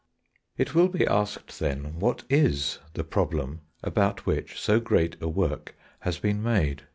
It will be asked then, what is the problem about which so great a work has been made?